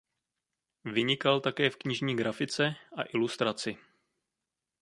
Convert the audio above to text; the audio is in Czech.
Vynikal také v knižní grafice a ilustraci.